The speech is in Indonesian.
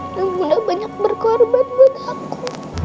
dan bunda banyak berkorban buat aku